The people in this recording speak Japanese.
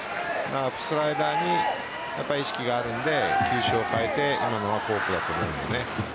スライダーに意識があるので球種を変えて今のはフォークだと思うので。